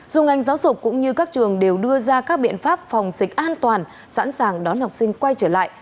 dù ngành giáo dục cũng như các trường đều đưa ra các biện pháp phòng dịch an toàn sẵn sàng đón học sinh quay trở lại